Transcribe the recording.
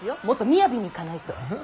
もっと雅にいかないと。